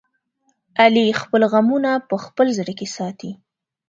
علي خپل غمونه په خپل زړه کې ساتي.